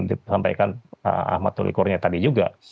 disampaikan ahmad tulikurnya tadi juga